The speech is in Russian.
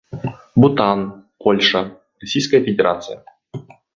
Бутан, Польша, Российская Федерация.